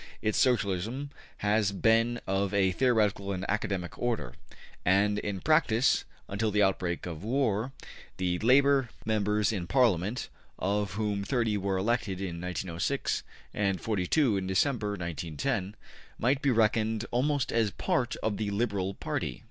Its Socialism has been of a theoretical and academic order, and in practice, until the outbreak of war, the Labor members in Parliament (of whom 30 were elected in 1906 and 42 in December, 1910) might be reckoned almost as a part of the Liberal Party.